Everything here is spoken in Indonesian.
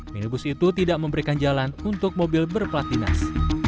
minibus itu tidak memberikan jalan untuk mobil berplat dinas